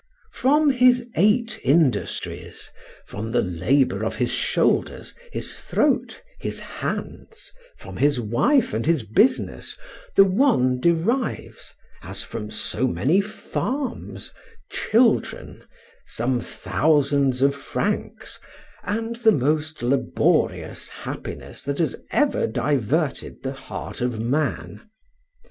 From his eight industries, from the labor of his shoulders, his throat, his hands, from his wife and his business, the one derives as from so many farms children, some thousands of francs, and the most laborious happiness that has ever diverted the heart of man.